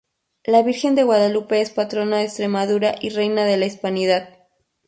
La Virgen de Guadalupe es Patrona de Extremadura y Reina de la Hispanidad.